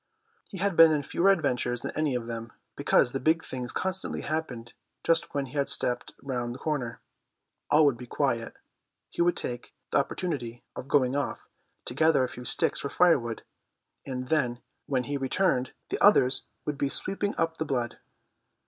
He had been in fewer adventures than any of them, because the big things constantly happened just when he had stepped round the corner; all would be quiet, he would take the opportunity of going off to gather a few sticks for firewood, and then when he returned the others would be sweeping up the blood.